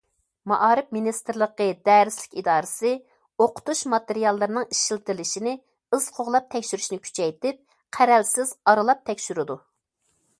مائارىپ مىنىستىرلىقى دەرسلىك ئىدارىسى ئوقۇتۇش ماتېرىياللىرىنىڭ ئىشلىتىلىشىنى ئىز قوغلاپ تەكشۈرۈشنى كۈچەيتىپ، قەرەلسىز ئارىلاپ تەكشۈرىدۇ.